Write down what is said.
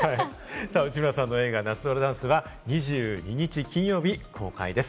内村さんの映画『夏空ダンス』は２２日金曜日公開です。